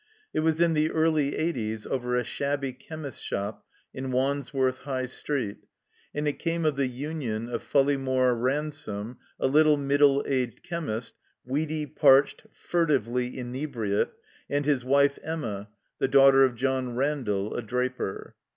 It was in the early eighties, over a shabby chemist's shop in Wandsworth High Street, and it came of the tinion of Ftdleymore Ran some, a little, middle aged chemist, weedy, parched, furtively inebriate, and his wife Emma, the daugh ter of John Randall, a draper.